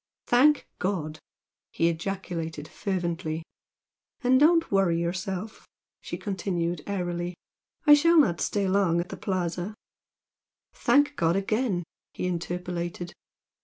"Thank God!" he ejaculated fervently. "And don't worry yourself" she continued, airily "I shall not stay long at the Plaza." "Thank God again!" he interpolated.